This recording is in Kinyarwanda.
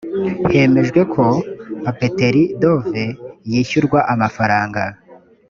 hemejwe ko papeterie dove yishyurwa amafaranga